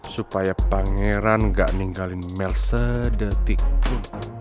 supaya pangeran gak ninggalin mel sedetik itu